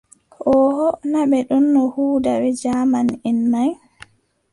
Ooho, naa ɓe ɗonno huuda bee jaamanʼen may.